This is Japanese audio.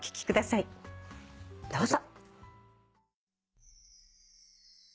どうぞ。